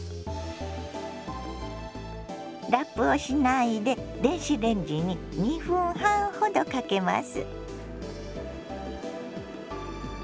ラップをしないで電子レンジに２分半ほどかけます。